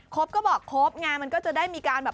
ก็บอกครบไงมันก็จะได้มีการแบบ